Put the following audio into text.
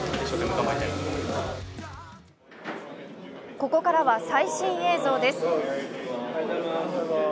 ここからは最新映像です。